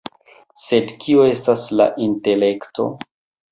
Sed kio estas la intelekto?